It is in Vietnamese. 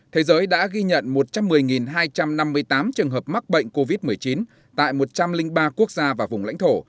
thế giới đã ghi nhận một trăm một mươi hai trăm năm mươi tám trường hợp mắc bệnh covid một mươi chín tại một trăm linh ba quốc gia và vùng lãnh thổ